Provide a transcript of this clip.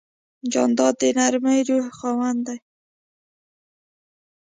جانداد د نرمې روحیې خاوند دی.